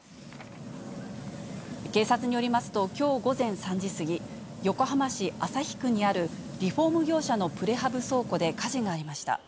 警察によりますと、きょう午前３時過ぎ、横浜市旭区にあるリフォーム業者のプレハブ倉庫で火事がありました。